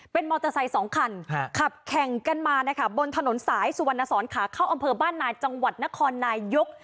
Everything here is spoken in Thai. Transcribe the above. เป็นมอเตอร์ไซค์สองคันขับแข่งกันมานะคะบนถนนสายสุวรรณสอนขาเข้าอำเภอบ้านนายจังหวัดนครนายก